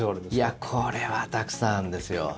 いやこれはたくさんあるんですよ。